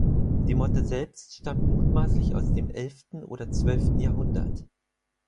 Die Motte selbst stammt mutmaßlich aus dem elften oder zwölften Jahrhundert.